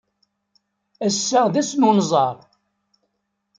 Ass-a d ass n unẓar.